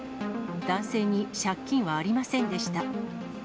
男性に借金はありませんでした。